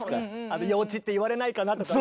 幼稚って言われないかなとかね。